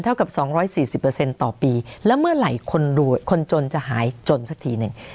เท่ากับ๒๔๐ต่อปีแล้วเมื่อไหลคนรวยคนจนจะหายจนสักทีนึง